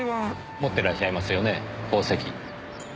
持ってらっしゃいますよね宝石。